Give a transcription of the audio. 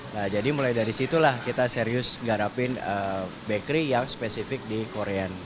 nah jadi mulai dari situlah kita serius garapin bakery yang spesifik di korean